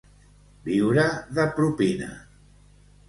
Viure de propina.